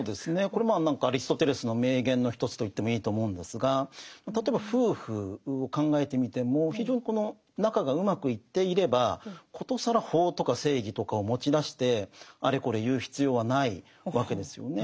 これもアリストテレスの名言の一つと言ってもいいと思うんですが例えば夫婦を考えてみても非常にこの仲がうまくいっていれば殊更法とか正義とかを持ち出してあれこれ言う必要はないわけですよね。